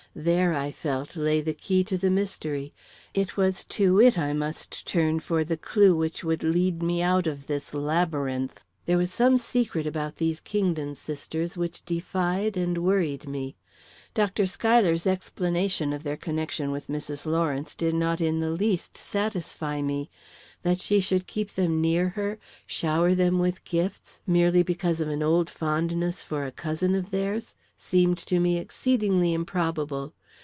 There, I felt, lay the key to the mystery; it was to it I must turn for the clue which would lead me out of this labyrinth. There was some secret about these Kingdon sisters which defied and worried me. Dr. Schuyler's explanation of their connection with Mrs. Lawrence did not in the least satisfy me. That she should keep them near her, shower them with gifts, merely because of an old fondness for a cousin of theirs, seemed to me exceedingly improbable.